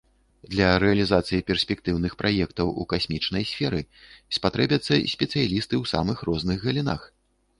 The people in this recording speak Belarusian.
Для рэалізацыі перспектыўных праектаў у касмічнай сферы спатрэбяцца спецыялісты ў самых розных галінах.